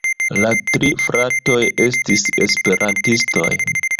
La tri fratoj estis Esperantistoj.